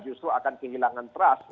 justru akan kehilangan trust